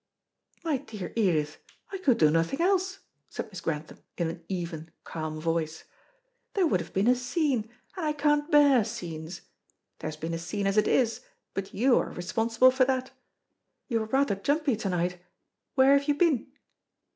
"My dear Edith, I could do nothing else," said Miss Grantham, in an even, calm voice. "There would have been a scene, and I can't bear scenes. There has been a scene as it is, but you are responsible for that. You are rather jumpy to night. Where have you been?"